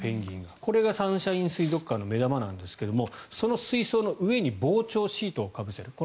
これがサンシャイン水族館の目玉なんですがその水槽の上に防鳥シートをかぶせる。